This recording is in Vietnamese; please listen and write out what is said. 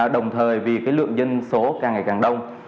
đồng thời vì cái lượng dân số càng ngày càng đông